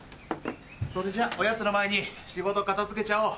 それじゃおやつの前に仕事片付けちゃおう。